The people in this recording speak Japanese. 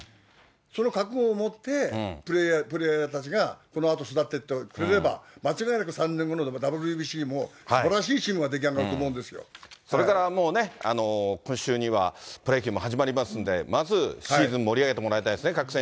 その覚悟を持ってプレーヤーたちがこのあと育っていってくれれば、間違いなく３年後のＷＢＣもすばらしいチームが出来上がると思うそれから、もうね、今週にはプロ野球も始まりますんで、まず、シーズン盛り上げてもらいたいですね。